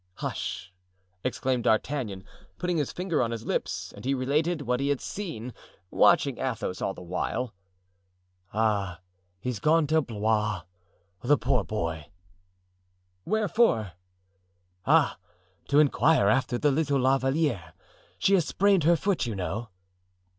"Hush!" exclaimed D'Artagnan, putting his finger on his lips; and he related what he had seen, watching Athos all the while. "Ah, he's gone to Blois; the poor boy——" "Wherefore?" "Ah, to inquire after the little La Valliere; she has sprained her foot, you know."